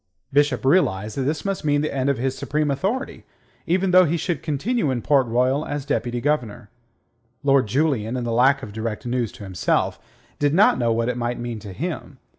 Bishop realized that this must mean the end of his supreme authority, even though he should continue in Port Royal as Deputy Governor. Lord Julian, in the lack of direct news to himself, did not know what it might mean to him.